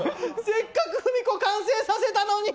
せっかくフミコ完成させたのに。